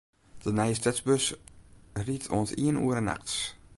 De nije stedsbus rydt oant iene oere nachts.